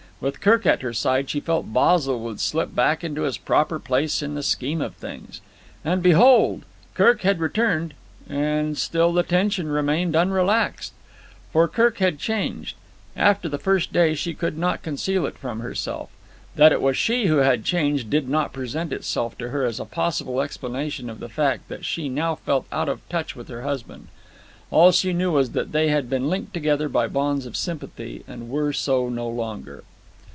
With Kirk at her side she felt Basil would slip back into his proper place in the scheme of things. And, behold! Kirk had returned and still the tension remained unrelaxed. For Kirk had changed. After the first day she could not conceal it from herself. That it was she who had changed did not present itself to her as a possible explanation of the fact that she now felt out of touch with her husband. All she knew was that they had been linked together by bonds of sympathy, and were so no longer.